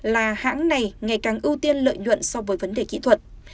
là hãng này ngày càng ưu tiên lợi nhuận so với vấn đề kỹ thuật